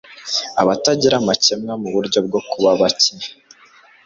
Abatagira amakemwa muburyo bwo kuba bake